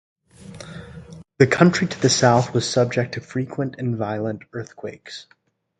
The country to the south was subject to frequent and violent earthquakes.